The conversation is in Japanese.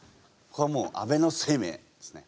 ここはもう安倍晴明ですね。